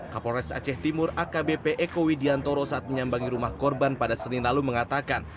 kapolres aceh timur akbp eko widiantoro saat menyambangi rumah korban pada senin lalu mengatakan